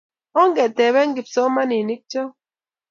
ongetoben kipsomaninik cho.